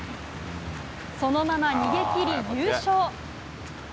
そのまま逃げ切り、優勝。